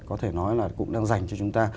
có thể nói là cũng đang dành cho chúng ta